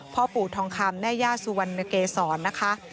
พ่อปู่ทองคำแม่ย่าสุวรรณเกษรนะคะ